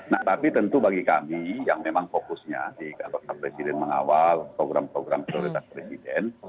nah tapi tentu bagi kami yang memang fokusnya kalau presiden mengawal program program prioritas presiden